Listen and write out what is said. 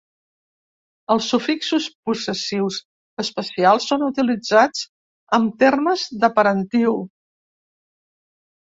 Els sufixos possessius especials són utilitzats amb termes de parentiu.